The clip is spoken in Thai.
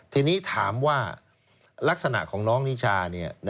ทีนี้ถามว่าลักษณะของน้องนิชา